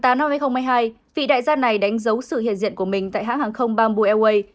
năm hai nghìn hai mươi hai vị đại gia này đánh dấu sự hiện diện của mình tại hãng hàng không bamboo airways